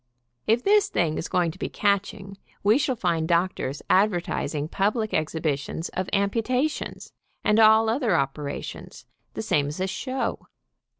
If this thing is going to be catching, we shall find doctors advertising public exhibitions of amputations, and all other operations, the same as a show.